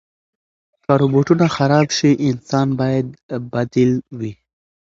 که روبوټونه خراب شي، انسان باید بدیل وي.